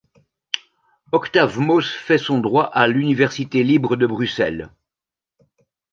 Octave Maus fait son droit à l’Université libre de Bruxelles.